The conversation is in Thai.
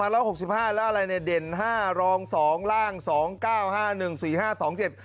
แล้วอะไรให้เด่น๕รอง๒ราง๒๙๕๑๔๕บาท๒๗